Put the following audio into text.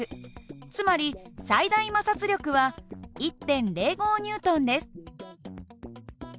つまり最大摩擦力は１．０５Ｎです。